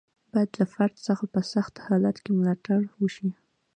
باید له فرد څخه په سخت حالت کې ملاتړ وشي.